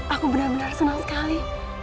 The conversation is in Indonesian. aku benar benar senang sekali